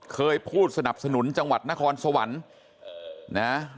เคยพูดสนับสนุนจังหวัดนครสวรรค์นะ